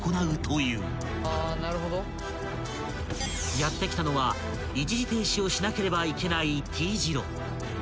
［やって来たのは一時停止をしなければいけないＴ字路］